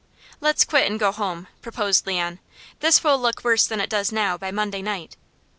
"Let's quit and go home," proposed Leon. "This will look worse than it does now by Monday night."